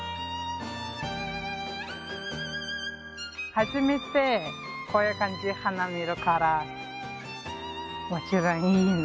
初めてこういう感じ花見るからもちろんいいな。